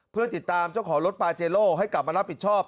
เพื่อติดตามเจ้าของรถปาเจโลให้กลับมารับผิดชอบ